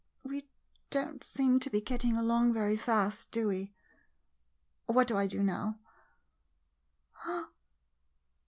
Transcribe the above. ] We don't seem to get along very fast, do we? What do I do now?